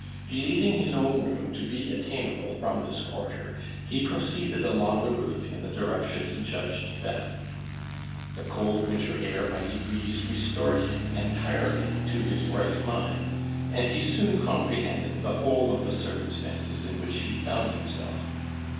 Believing his own room to be attainable from this quarter, he proceeded along the roof in the direction he judged best. The cold winter air by degrees restored him entirely to his right mind, and he soon comprehended the whole of the circumstances in which he found himself.